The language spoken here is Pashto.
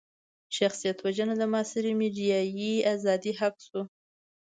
شخصيت وژنه د معاصرې ميډيايي ازادۍ حق شو.